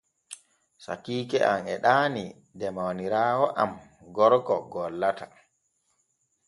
Sakiike am e ɗaanii de mawniraawo am gorko gollata.